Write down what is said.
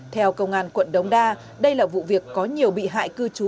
theo công an quận đống đa đây là vụ việc có nhiều bị hại cư trú